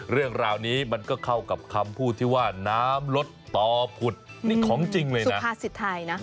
เรื่องราวนี้มันก็เข้ากับคำพูดที่ว่าน้ำรถต่อผุดนี่ของจริงเลยน่ะสุภาษิตไทยน่ะ